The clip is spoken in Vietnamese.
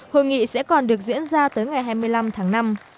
hội nghị sẽ còn được diễn ra tới ngày hai mươi năm tháng năm